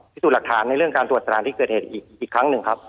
พิสูจน์หลักฐานในเรื่องการตรวจสถานที่เกิดเหตุอีกครั้งหนึ่งครับ